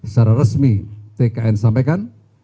secara resmi tkn sampaikan